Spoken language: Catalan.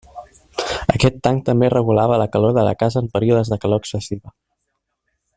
Aquest tanc també regulava la calor de la casa en períodes de calor excessiva.